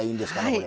これ。